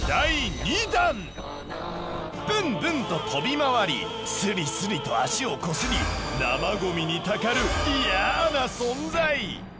ブンブンと飛び回りスリスリと足をこすり生ゴミにたかるイヤな存在。